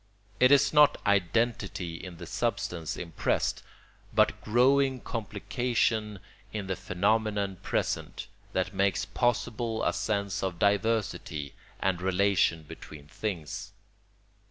It is not identity in the substance impressed, but growing complication in the phenomenon presented, that makes possible a sense of diversity and relation between things.